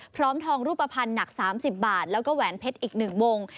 ทองรูปภัณฑ์หนัก๓๐บาทแล้วก็แหวนเพชรอีก๑วง